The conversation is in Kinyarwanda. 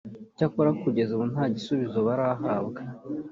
cyakora kugeza ubu nta gisubizo barahabwa